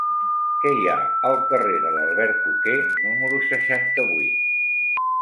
Què hi ha al carrer de l'Albercoquer número seixanta-vuit?